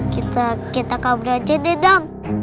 kita akan belajar deh dam